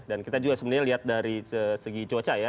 dan kita juga sebenarnya lihat dari segi cuaca ya